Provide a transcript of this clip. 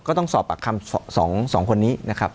ก็ต้องสอบปากคำ๒คนนี้นะครับ